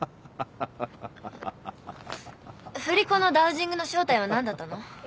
振り子のダウジングの正体は何だったの？